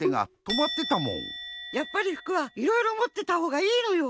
やっぱり服はいろいろもってたほうがいいのよ。